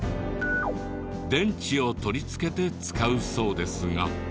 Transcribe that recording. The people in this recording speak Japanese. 電池を取り付けて使うそうですが。